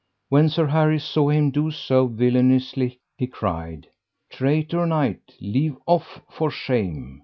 When Sir Harry saw him do so villainously he cried: Traitor knight, leave off for shame.